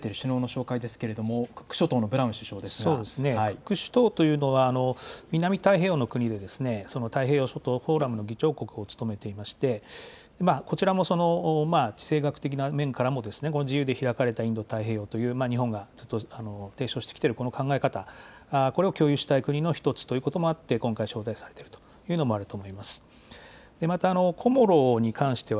訪れている首脳の紹介ですがクック諸島のブラウン首相ですがクック諸島というのは南太平洋の国々で太平洋諸島フォーラムの議長国を務めていてこちらも地政学的な面からも自由で開かれたインド太平洋という日本が提唱してきているこの考え方、これを共有したい国の１つということもあって今回招待されているというのもあると思います。